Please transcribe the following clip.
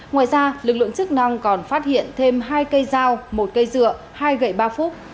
ngoài ra lực lượng chức năng còn phát hiện thêm hai cây dao một cây dựa hai gậy ba phúc